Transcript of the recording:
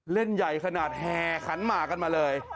เล่นใหญ่ขนาดแห่ขันหมากกันมาเลย